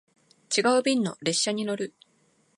違う便の列車に乗る